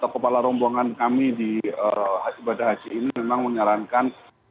kepala rombongan kami di ibadah haji ini memang menyarankan